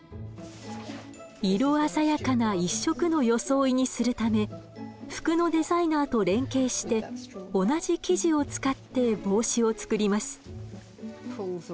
色鮮やかな一色の装いにするため服のデザイナーと連携して同じ生地を使って帽子を作ります。